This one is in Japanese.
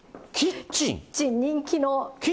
キッチン人気の。